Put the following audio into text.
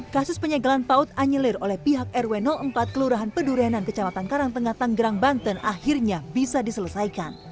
kasus penyegelan paut anyelir oleh pihak rw empat kelurahan pedurenan kecamatan karangtengah tanggerang banten akhirnya bisa diselesaikan